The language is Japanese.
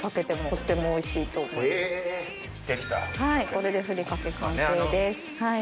これでふりかけ完成です。